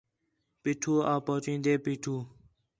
پیٹھو آ پچھاندے پیٹھو